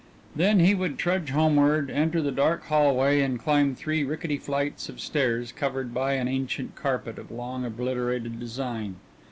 Then he would trudge homeward, enter the dark hallway, and climb three rickety flights of stairs covered by an ancient carpet of long obliterated design.